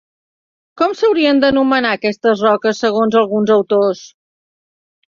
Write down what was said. Com s'haurien d'anomenar aquestes roques segons alguns autors?